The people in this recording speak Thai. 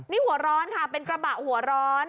นี่หัวร้อนค่ะเป็นกระบะหัวร้อน